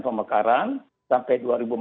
pemekaran sampai dua ribu empat belas